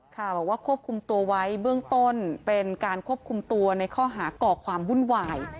บอกว่าควบคุมตัวไว้เบื้องต้นเป็นการควบคุมตัวในข้อหาก่อความวุ่นวาย